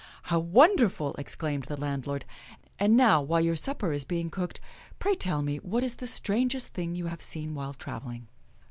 " How wonderful !" exclaimed the landlord. "And now, while your supper is being cooked, pray tell me what is the strangest thing you have seen while traveling."